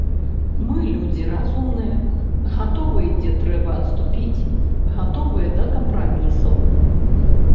Мы людзі разумныя, гатовыя, дзе трэба, адступіць, гатовыя да кампрамісаў.